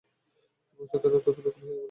বসন্ত রায় অত্যন্ত ব্যাকুল হইয়া পড়িলেন।